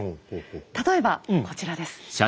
例えばこちらです。